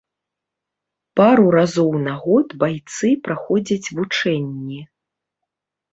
Пару разоў на год байцы праходзяць вучэнні.